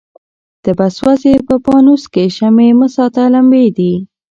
ته به سوځې په پانوس کي شمعي مه ساته لمبې دي